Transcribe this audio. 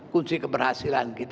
kunci keberhasilan kita